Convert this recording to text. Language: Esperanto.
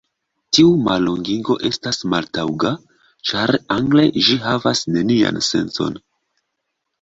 Tiu mallongigo estas maltaŭga ĉar angle ĝi havas nenian sencon.